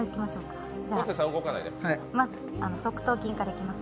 まず側頭筋からいきます。